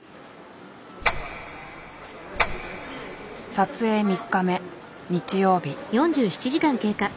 撮影３日目日曜日。